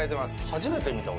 初めて見た、俺。